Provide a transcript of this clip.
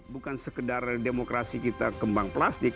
bukan sekedar demokrasi kita kembang plastik